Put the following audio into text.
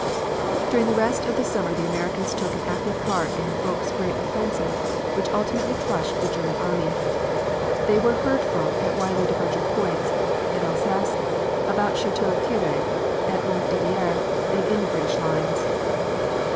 During the rest of the summer the Americans took an active part in Foch's great offensive which ultimately crushed the German army. They were heard from at widely divergent points: in Alsace, about Chateau Thierry, at Montdidier, and in the British lines.